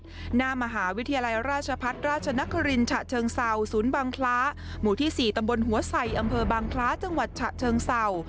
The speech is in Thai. หน้ามหาวิทยาลัยราชพัฒน์ราชนครินฉะเชิงเศร้าศูนย์บางคล้าหมู่ที่๔ตำบลหัวใส่อำเภอบางคล้าจังหวัดฉะเชิงเศร้า